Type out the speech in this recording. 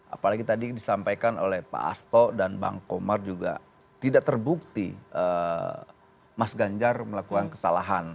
apalagi tadi disampaikan oleh pak asto dan bang komar juga tidak terbukti mas ganjar melakukan kesalahan